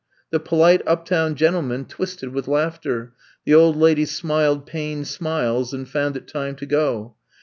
The polite uptown gentlemen twisted with laughter ; the old ladies smiled pained smiles and found it time to go.